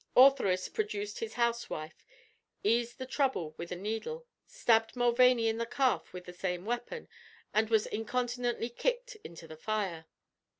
Ortheris produced his housewife, eased the trouble with a needle, stabbed Mulvaney in the calf with the same weapon, and was incontinently kicked into the fire.